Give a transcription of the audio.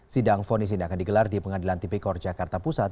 sidang fonis ini akan digelar di pengadilan tipikor jakarta pusat